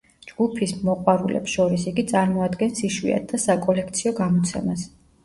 ჯგუფის მოყვარულებს შორის იგი წარმოადგენს იშვიათ და საკოლექციო გამოცემას.